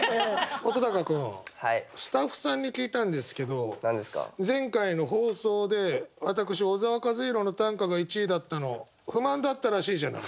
本君スタッフさんに聞いたんですけど前回の放送で私小沢一敬の短歌が１位だったの不満だったらしいじゃない。